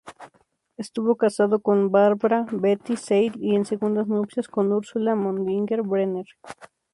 Estuvo casado con Barbra "Betti" Seidl y en segundas nupcias con Ursula Moninger-Brenner.